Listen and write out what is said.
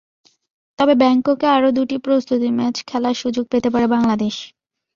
তবে ব্যাংককে আরও দুটি প্রস্তুতি ম্যাচ খেলার সুযোগ পেতে পারে বাংলাদেশ।